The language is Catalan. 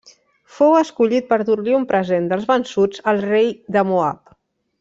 Fou escollit per dur-li un present dels vençuts al rei de Moab.